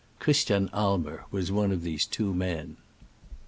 '* Christian Aimer was one of these two men.